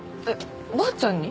ばあちゃんに？